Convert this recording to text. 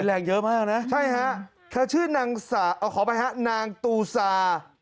มันแรงเยอะมากนะใช่ฮะคือชื่อนางเอาขอไปฮะนางตูซา